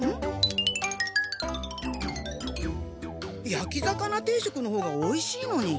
やき魚定食の方がおいしいのに。